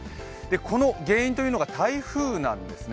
この原因というのが台風なんですね。